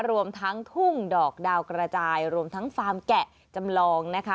รวมทั้งทุ่งดอกดาวกระจายรวมทั้งฟาร์มแกะจำลองนะคะ